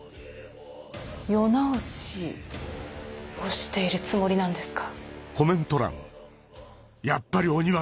世直しをしているつもりなんですか？